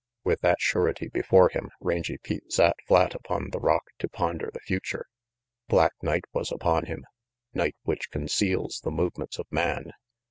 With that surety before him Rangy Pete sat flat upon the rock to ponder the future. Black night was upon him, night which conceals the movements of man.